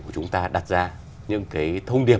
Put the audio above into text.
chúng ta đặt ra những thông điệp